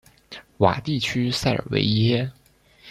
瓦地区塞尔维耶。